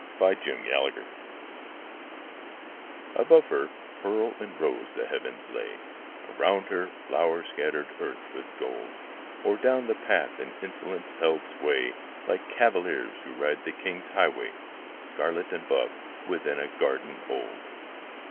A MEMORY Above her, pearl and rose the heavens lay: Around her, flowers scattered earth with gold, Or down the path in insolence held sway Like cavaliers who ride the king's highway Scarlet and buff, within a garden old.